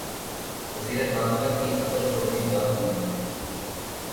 وزیر داخلہ کی عقل کو بھی داد دیجئے۔